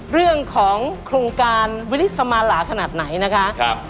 เรื่องของโครงการวิริสมาหลาขนาดไหนนะคะ